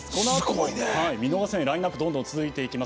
見逃せないラインナップ続いていきます。